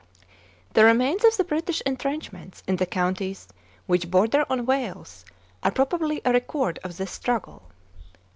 The remains of the British entrenchments in the counties which bonier on Wales, are probably a record of this struggle.